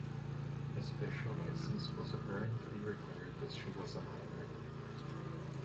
A special license was apparently required as she was a minor.